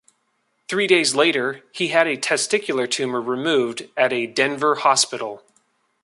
Three days later, he had a testicular tumor removed at a Denver hospital.